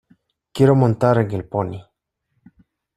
Quiero montar en el pony.